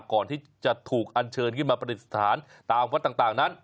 ก่อนที่จะถูกอันเชิญขึ้นมาประดิษฐานตามวัดต่างนั้น